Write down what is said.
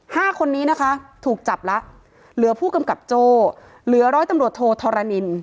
ห้าคนนี้นะคะถูกจับแล้วเหลือผู้กำกับโจ้เหลือร้อยตำรวจโทธรณิน